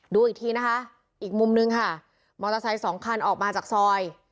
ดูอีกทีนะคะอีกมุมนึงค่ะมอเตอร์ไซค์สองคันออกมาจากซอย